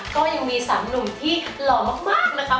ก็ยังมี๓หนุ่มที่หล่อมากนะคะ